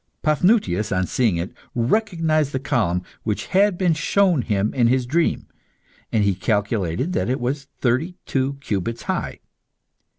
Paphnutius, on seeing it, recognised the column which had been shown him in his dream, and he calculated that it was thirty two cubits high.